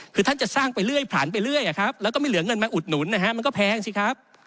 คือท่านจะสร้างไปเรื่อยผลันไปเรื่อยแล้วก็ไม่เหลือเงินมาอุดหนุนนะฮะมันก็แพงสิครับ